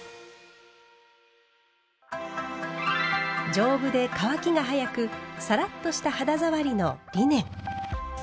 丈夫で乾きが早くサラッとした肌触りのリネン。